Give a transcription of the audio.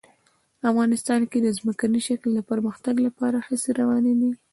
افغانستان کې د ځمکني شکل د پرمختګ لپاره هڅې روانې دي.